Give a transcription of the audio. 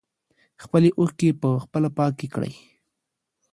خپلې اوښکې په خپله پاکې کړئ.